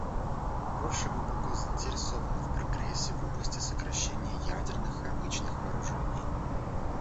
Польша глубоко заинтересована в прогрессе в области сокращения ядерных и обычных вооружений.